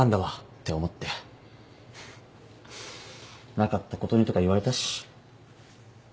「なかったことに」とか言われたし。